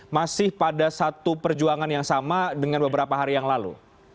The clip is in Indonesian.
masih pada satu perjuangan yang sama dengan beberapa hari yang lalu